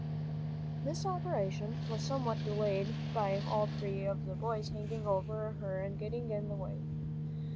This operation was somewhat delayed by all three of the boys hanging over her and getting in the way.